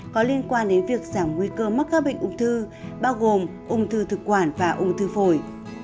có liên quan đến việc giảm nguy cơ mắc các bệnh ung thư bao gồm ung thư thực quản và ung thư phổi